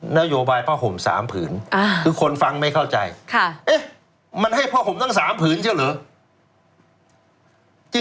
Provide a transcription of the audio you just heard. นโยบายผ้าห่ม๓ผืนคือคนฟังไม่เข้าใจมันให้ผ้าห่มทั้ง๓ผืนใช่เหรอ